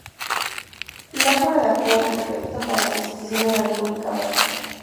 Irujo redactó el "Anteproyecto para la constitución de la República Vasca".